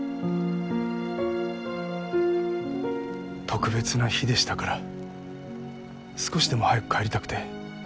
特別な日でしたから少しでも早く帰りたくて。